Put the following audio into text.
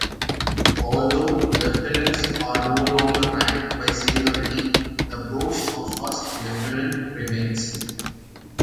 Although lieutenants are no longer ranked by seniority, the post of "first lieutenant" remains.